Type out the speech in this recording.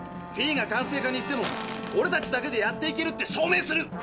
フィーが管制課に行ってもオレたちだけでやっていけるって証明する！